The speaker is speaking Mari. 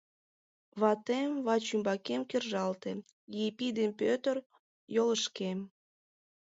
Ватем вачӱмбакем кержалте, Епи ден Пӧтыр — йолышкем.